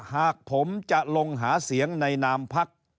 หากผมจะลงหาเสียงในนามพัก